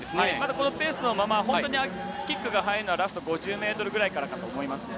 このペースのままキックが入るのはラスト５０ｍくらいと思います。